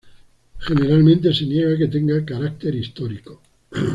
Generalmente se niega que tenga carácter histórico.